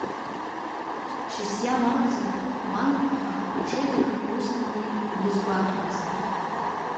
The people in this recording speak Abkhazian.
Шьасиа лакәзар ланхәԥҳа лҽеиҭакрақәа усҟатәи илызгәаҭомызт.